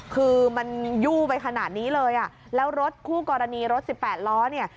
คือมันยู่ไปขนาดนี้เลยอ่ะแล้วรถคู่กรณีรถสิบแปดล้อเนี่ย